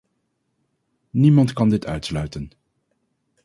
Niemand kan dit uitsluiten.